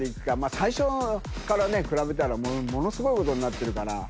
最初から比べたらものすごいことになってるから。